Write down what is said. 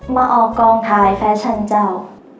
มาออกกองถ่ายแฟชั่นเจ้า